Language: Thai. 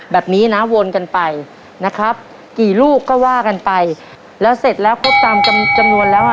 แบบนี้นะวนกันไปนะครับกี่ลูกก็ว่ากันไปแล้วเสร็จแล้วครบตามจำนวนแล้วอ่ะ